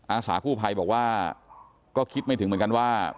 อาสากู้ภัยบอกว่าก็คิดไม่ถึงเหมือนกันว่า